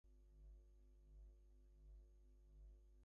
All ended in goalless draws.